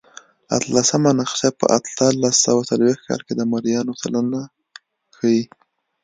اتلسمه نقشه په اتلس سوه څلوېښت کال کې د مریانو سلنه ښيي.